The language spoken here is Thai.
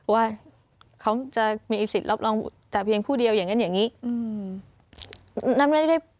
ว่าเขาจะมีสิทธิ์รับรองแต่เพียงผู้เดียวอย่างนั้นอย่างนี้